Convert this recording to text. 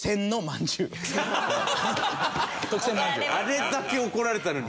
あれだけ怒られたのに。